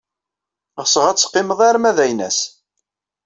Ɣseɣ ad teqqimed arma d aynas.